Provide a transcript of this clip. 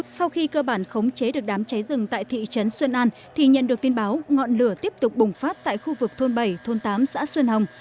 sau khi cơ bản khống chế được đám cháy rừng tại thị trấn xuân an thì nhận được tin báo ngọn lửa tiếp tục bùng phát tại khu vực thôn bảy thôn tám xã xuân hồng